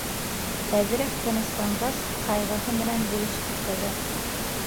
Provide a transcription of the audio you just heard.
Әҙерәк тынысланғас, «ҡайғыһы» менән бүлеште ҡыҙы.